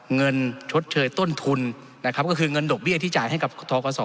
ชดเชยต้นทุนนะครับก็คือเงินดอกเบี้ยที่จ่ายให้กับทกศ